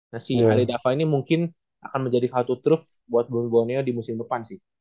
nah si aridafa ini mungkin akan menjadi kata truth buat bumi bawoneo di musim depan sih